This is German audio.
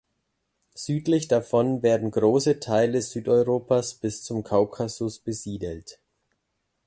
Südlich davon werden große Teile Südeuropas bis zum Kaukasus besiedelt.